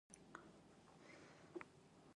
د سارا برخه خواره شوه؛ خاوند يې ومړ.